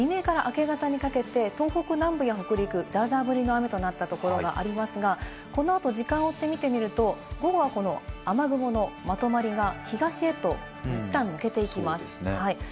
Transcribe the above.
未明から明け方にかけて東北南部や北陸、ザーザー降りの雨となったところがありますが、この後、時間を追って見てみると、午後はこの雨雲のまとまりが東へといったん抜けていきますね。